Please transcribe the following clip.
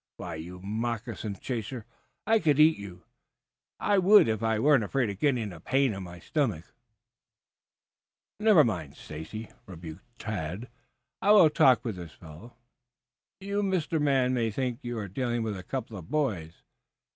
Why, you moccasin chaser, I could eat you. I would if I weren't afraid of getting a pain in my stomach." "Never mind, Stacy," rebuked Tad. "I will talk with this fellow. You, Mister Man, may think you are dealing with a couple of boys.